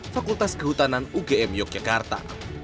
fakultas kehutanan ugm yogyakarta